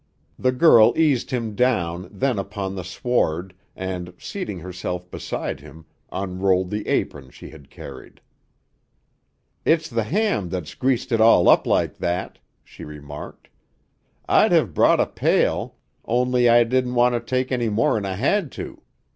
The girl eased him down then upon the sward, and, seating herself beside him, unrolled the apron she had carried. "It's the ham that's greased it all up like that," she remarked. "I'd have brought a pail, only I didn't want to take any more 'n I had to."